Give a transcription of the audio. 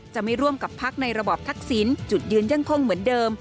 จะไม่ร่วมกับพักในระบอบทักษิณจุดยืนยังคงเหมือนเดิม